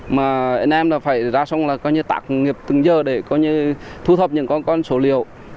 mà em em phải ra xong tạc nghiệp từng giờ để thu thập những con số liệu